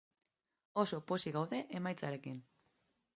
Oso pozik gaude emaitzarekin.